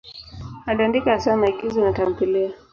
Aliandika hasa maigizo na tamthiliya.